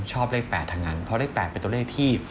ชอบเลข๘ทั้งนั้นเพราะเลข๘เป็นตัวเลขที่